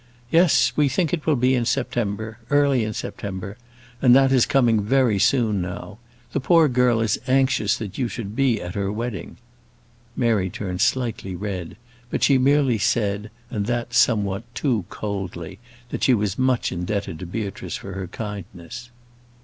"Yes: we think it will be in September early in September and that is coming very soon now. The poor girl is anxious that you should be at her wedding." Mary turned slightly red; but she merely said, and that somewhat too coldly, that she was much indebted to Beatrice for her kindness.